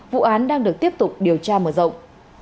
vụ án đang được tiếp tục điều tra mở rộng